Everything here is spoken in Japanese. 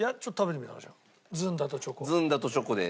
ずんだとチョコで。